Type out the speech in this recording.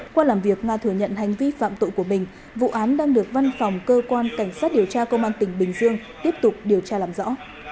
qua làm việc nga thừa nhận hành vi phạm tội của mình vụ án đang được văn phòng cơ quan cảnh sát điều tra công an tỉnh bình dương tiếp tục điều tra làm rõ